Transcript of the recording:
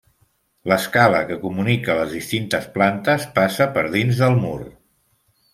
L'escala que comunica les distintes plantes passa per dins del mur.